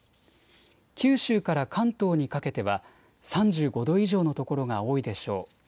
九州から関東にかけては３５度以上の所が多いでしょう。